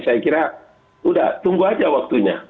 saya kira sudah tunggu aja waktunya